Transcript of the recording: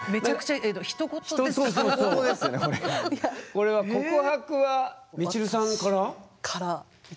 これは告白はみちるさんから？